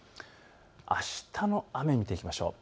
あしたの雨、見ていきましょう。